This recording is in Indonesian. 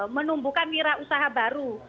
menumbuhkan mirah usaha baru